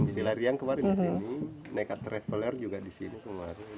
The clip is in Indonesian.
si lari yang kemarin di sini nekat traveler juga di sini kemarin